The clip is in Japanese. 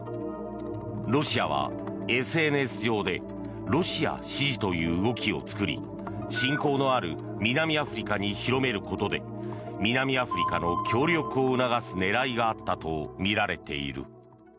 ロシアは、ＳＮＳ上でロシア支持という動きを作り親交のある南アフリカに広めることで南アフリカの協力を促す狙いがあったとみられている。